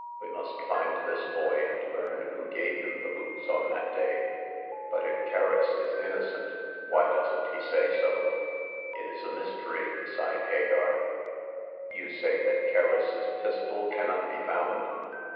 We must find this boy, and learn who gave him the boots on that day. But if Kerris is innocent, why doesn't he say so ?"It is a mystery," sighed Hagar. " You say that Kerris's pistol cannot be found